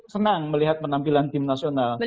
senang melihat penampilan tim nasional